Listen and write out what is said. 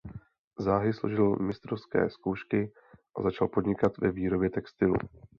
Záhy složil mistrovské zkoušky a začal podnikat ve výrobě textilu.